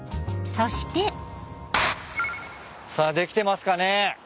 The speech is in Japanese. ［そして］さあできてますかね？